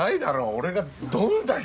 俺がどんだけ。